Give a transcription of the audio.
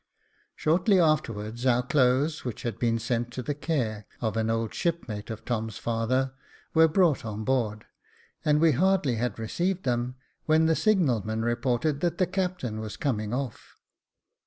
Shortly afterwards our clothes, which had been sent to the care of an old shipmate of Tom's father, were J.F. Z 354 Jacob Faithful brought on board, and we hardly had received them, when the signalman reported that the captain was coming off.